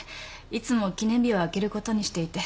いつも記念日は空けることにしていて。